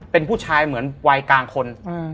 เป็นผู้ชายเหมือนวัยกลางคน